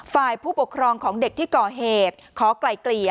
ฝ่ายผู้ปกครองของเด็กที่ก่อเหตุขอไกล่เกลี่ย